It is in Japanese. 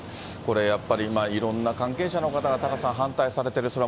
これやっぱり、いろんな関係者の方々、タカさん、反対されている。